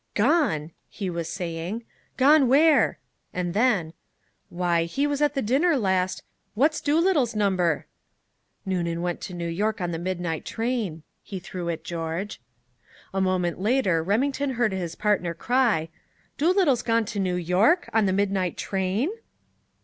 "Gone," he was saying. "Gone where?" And then: "Why, he was at the dinner last What's Doolittle's number?" ("Noonan went to New York on the midnight train," he threw at George.) A moment later Remington heard his partner cry, "Doolittle's gone to New York? On the midnight train?"